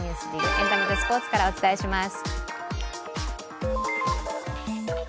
エンタメとスポーツからお伝えします。